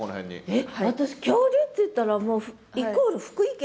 えっ私恐竜っていったらもうイコール福井県。